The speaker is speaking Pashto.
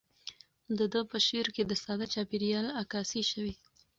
د ده په شعر کې د ساده چاپیریال عکاسي شوې.